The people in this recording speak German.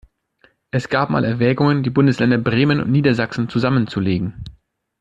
Es gab mal Erwägungen, die Bundesländer Bremen und Niedersachsen zusammenzulegen.